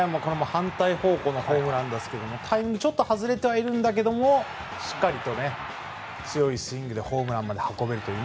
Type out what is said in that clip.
反対方向へのホームランですがタイミングちょっと外れてはいるんだけどしっかりと強いスイングでホームランまで運べるという。